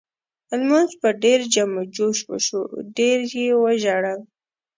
لمونځ په ډېر جم و جوش وشو ډېر یې وژړل.